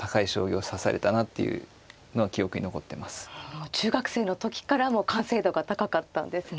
もう中学生の時から完成度が高かったんですね。